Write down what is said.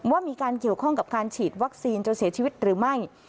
ว่ามีการเกี่ยวข้องกับการฉีดวัคซีนจนเสียชีวิตหรือไม่